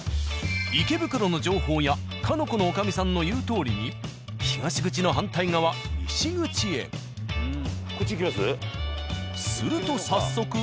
池袋の情報屋「鹿の子」の女将さんの言うとおりに東口のすると早速。